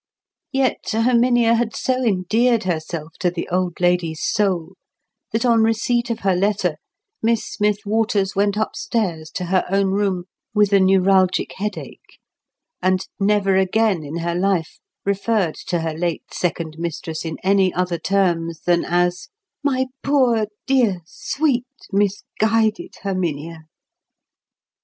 Yet Herminia had so endeared herself to the old lady's soul that on receipt of her letter Miss Smith Waters went upstairs to her own room with a neuralgic headache, and never again in her life referred to her late second mistress in any other terms than as "my poor dear sweet misguided Herminia."